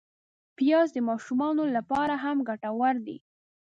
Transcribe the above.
پیاز د ماشومانو له پاره هم ګټور دی